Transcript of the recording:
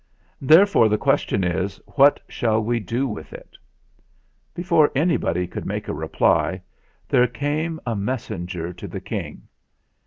Therefore the question is, 'What shall we do with it?' " Before anybody could make a reply, there came a messenger to the King.